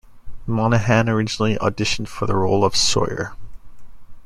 Monaghan originally auditioned for the role of Sawyer.